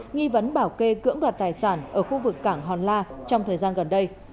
nghi vấn bảo kê cưỡng đoạt tài sản ở khu vực cảng hòn la trong thời gian gần đây